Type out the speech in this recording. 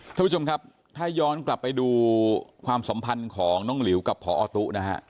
ท่านผู้ชมครับถ้าย้อนกลับไปดูความสัมพันธ์ของน้องหลิวกับพอตู้นะฮะ